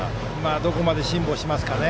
どこまで辛抱しますかね。